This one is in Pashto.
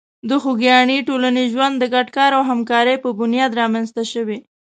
د خوږیاڼي ټولنیز ژوند د ګډ کار او همکاري په بنیاد رامنځته شوی.